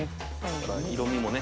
色みもね。